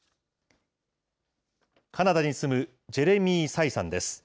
カナダに住むジェレミー・サイさんです。